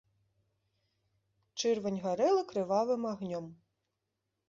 Чырвань гарэла крывавым агнём.